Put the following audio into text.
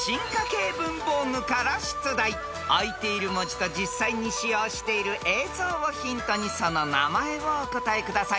［あいている文字と実際に使用している映像をヒントにその名前をお答えください］